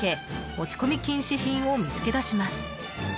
持ち込み禁止品を見つけ出します。